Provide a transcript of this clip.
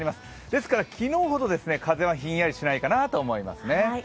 ですから昨日ほど風はひんやりしないかなと思いますね。